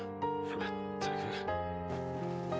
まったく。